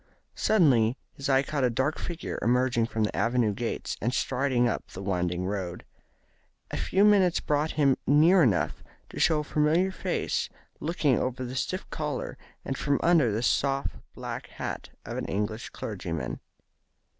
Suddenly his eye caught a dark figure emerging from the Avenue gates and striding up the winding road. A few minutes brought him near enough to show a familiar face looking over the stiff collar and from under the soft black hat of an English clergyman.